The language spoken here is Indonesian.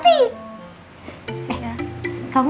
kau sih gak itu